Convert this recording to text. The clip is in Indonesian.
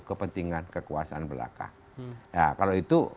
sengaja dibati oleh muslim yang mulai lipstick